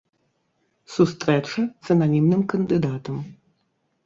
Сустрэча з ананімным кандыдатам.